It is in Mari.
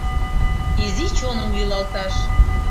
Изи чоным йӱлалташ.